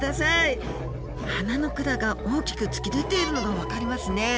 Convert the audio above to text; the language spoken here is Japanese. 鼻の管が大きく突き出ているのが分かりますね。